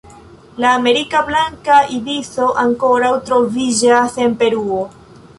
La Amerika blanka ibiso ankoraŭ troviĝas en Peruo.